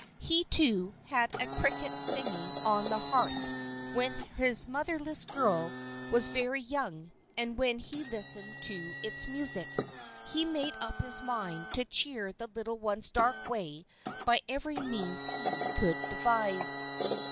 He, too, had had a cricket singing on the hearth when his motherless girl was very young, and when he listened to its music, he made up his mind to cheer the little one's dark way by every means he could devise.